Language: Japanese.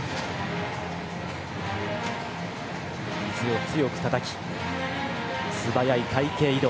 水を強くたたき素早い隊形移動。